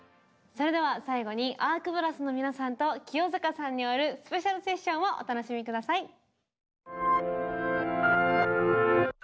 それでは最後にＡＲＫＢＲＡＳＳの皆さんと清塚さんによるスペシャル・セッションをお楽しみ下さい。